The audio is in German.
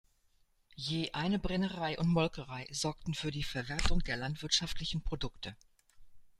Je eine Brennerei und Molkerei sorgten für die Verwertung der landwirtschaftlichen Produkte.